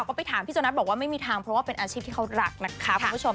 ก็ไปถามพี่โจนัสบอกว่าไม่มีทางเพราะว่าเป็นอาชีพที่เขารักนะคะคุณผู้ชม